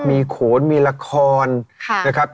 มีโขนมีละครนะครับ